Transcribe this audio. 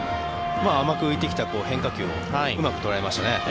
甘く浮いてきた変化球をうまく捉えましたね。